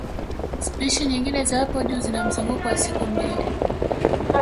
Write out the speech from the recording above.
Spishi nyingine za hapo juu zina mzunguko wa siku mbili